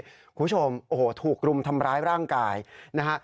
คุณผู้ชมโอ้โหถูกรุมทำร้ายร่างกายนะฮะ